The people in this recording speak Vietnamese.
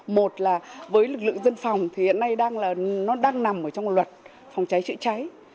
một là với lực lượng dân phòng thì hiện nay nó đang nằm trong luật phòng cháy chữa cháy